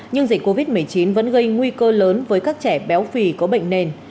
nhưng dịch covid một mươi chín vẫn gây nguy cơ lớn với các trẻ béo phì có bệnh nền